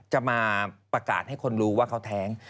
จะมาประกาศให้คนรู้ว่าเขาแท้ง